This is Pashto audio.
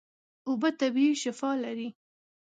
اوبه طبیعي شفاء لري.